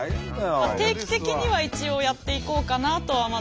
定期的には一応やっていこうかなとは。